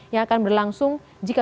yang akan berlangsung jika